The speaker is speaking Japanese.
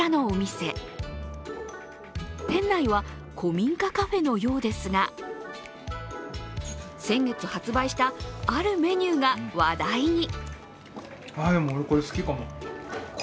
店内は古民家カフェのようですが先月発売した、あるメニューが話題に。